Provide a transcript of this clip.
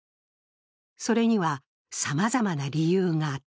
それにはさまざまな理由があった。